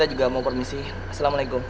saya juga mau permisi assalamualaikum